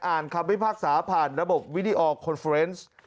อ่านครับไว้ภาคสาผ่านระบบวิดีออลคอนเฟอร์เฟอร์เนส